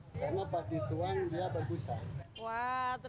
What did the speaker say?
karena pagi tuang dia bagusan